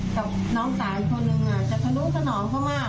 กับน้องสายคนหนึ่งอ่ะจากสนุกสนองเข้ามา